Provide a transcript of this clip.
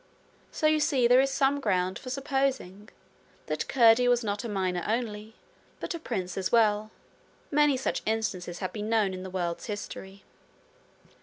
So you see there is some ground for supposing that Curdie was not a miner only, but a prince as well. Many such instances have been known in the world's history.